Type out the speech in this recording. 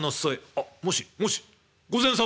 「あっもしもし御前様！」。